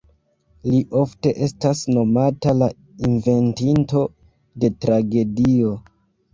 Li ofte estas nomata la ""Inventinto de Tragedio"".